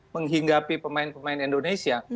menghinggapi pemain pemain indonesia